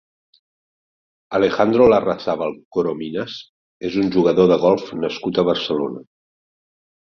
Alejandro Larrazábal Corominas és un jugador de golf nascut a Barcelona.